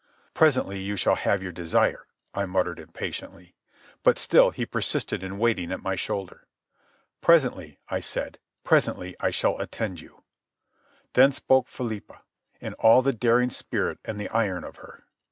"Presently you shall have your desire," I muttered impatiently. But still he persisted in waiting at my shoulder. "Presently," I said. "Presently I shall attend to you." Then spoke Philippa, in all the daring spirit and the iron of her.